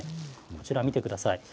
こちら、見てください。